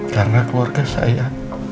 karena keluarga saya